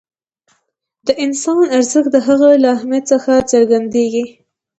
د انسان ارزښت د هغه له اهمیت څخه څرګندېږي.